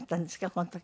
この時。